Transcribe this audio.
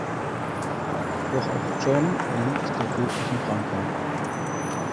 Doch auch John erliegt der tödlichen Krankheit.